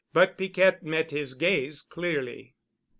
But Piquette met his gaze clearly.